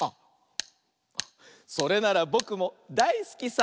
「それならぼくもだいすきさ」